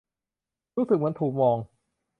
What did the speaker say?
รู้สึกเหมือนถูกมอง